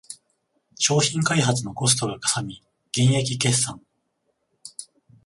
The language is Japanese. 商品開発のコストがかさみ減益決算